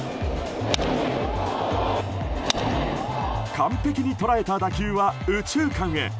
完璧に捉えた打球は右中間へ。